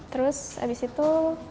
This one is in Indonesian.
terus abis itu